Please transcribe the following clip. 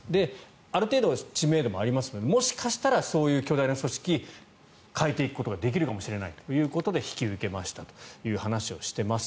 ある程度、知名度もありますのでもしかしたらそういう巨大な組織を変えていくことができるかもしれないということで引き受けましたという話をしています。